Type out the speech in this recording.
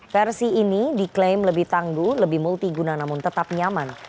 versi ini diklaim lebih tangguh lebih multiguna namun tetap nyaman